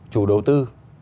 chủ đầu tư